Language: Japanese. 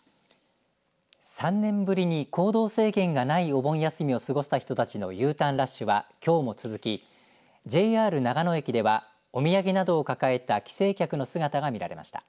３年ぶりに行動制限がないお盆休みを過ごせた人たちのＵターンラッシュはきょうも続きＪＲ長野駅ではおみやげなどを抱えた帰省客の姿が見られました。